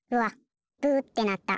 「ブー」ってなった。